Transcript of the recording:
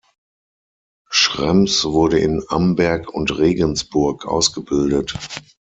Schrems wurde in Amberg und Regensburg ausgebildet.